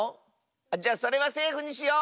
じゃそれはセーフにしよう！